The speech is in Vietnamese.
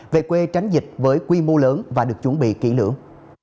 về quê tránh dịch với quy mô lớn và được chuẩn bị kỹ lưỡng